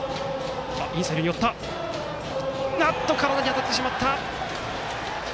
体に当たってしまった。